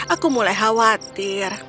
aku mulai khawatir